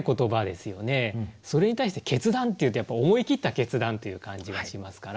それに対して「決断」っていうとやっぱ思い切った決断という感じがしますから。